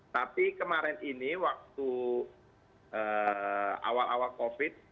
tapi kemarin ini waktu awal awal covid